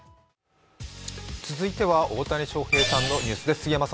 続いては大谷翔平さんのニュースです。